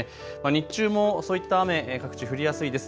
日中もそういった雨、各地、降りやすいです。